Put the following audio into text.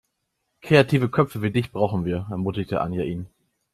"Kreative Köpfe wie dich brauchen wir", ermutigte Anja ihn.